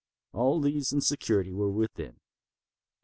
All these and security were within.